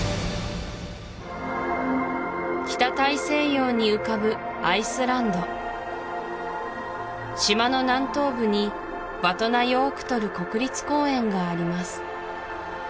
北大西洋に浮かぶアイスランド島の南東部にヴァトナヨークトル国立公園があります